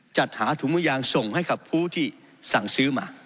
จัดหาถุงมือยางส่งให้กับผู้ที่สั่งซื้อมา